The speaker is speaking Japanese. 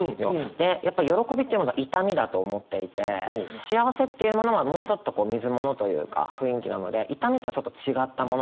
でやっぱ喜びというものが痛みだと思っていて幸せっていうものはもうちょっと水物というか雰囲気なので痛みとはちょっと違ったものだと思っているんですけど。